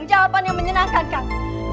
jawaban yang menyenangkan kang